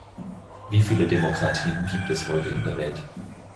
Wie viele Demokratien gibt es heute in der Welt?